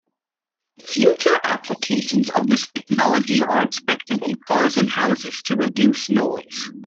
Future applications of this technology are expected in cars and houses to reduce noise.